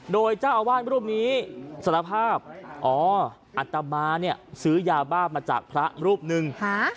โดยเจ้าอาวาสรูปนี้สารภาพอ๋ออัตมาเนี่ยซื้อยาบ้ามาจากพระรูปหนึ่ง